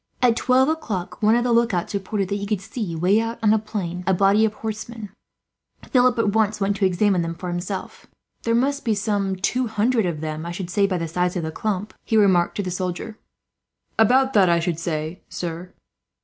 At twelve o'clock one of the lookouts reported that he could see, away out on the plain, a body of horsemen. Philip at once went to examine them for himself. "There must be some two hundred of them, I should say, by the size of the clump," he remarked to the soldier. "About that, I should say, sir."